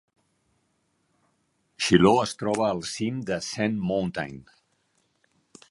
Shiloh es troba al cim de Sand Mountain.